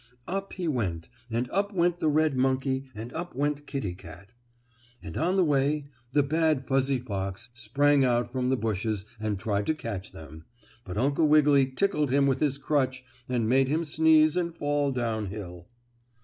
Up he went, and up went the red monkey and up went Kittie Kat. And on the way the bad fuzzy fox sprang out from the bushes and tried to catch them, but Uncle Wiggily tickled him with his crutch and made him sneeze and fall down hill.